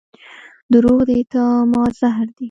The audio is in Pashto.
دروغ د اعتماد زهر دي.